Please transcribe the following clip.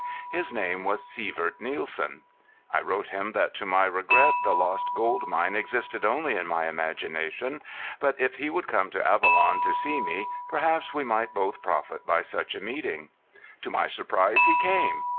His name was Sievert Nielsen. I wrote him that to my regret the lost gold mine existed only in my imagination, but if he would come to Avalon to see me perhaps we might both profit by such a meeting. To my surprise he came.